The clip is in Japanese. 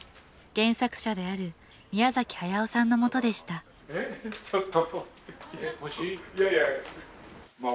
原作者である宮駿さんのもとでしたあほんと。